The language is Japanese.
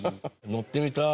乗ってみたい。